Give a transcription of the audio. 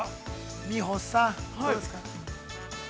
美穂さん、どうですか。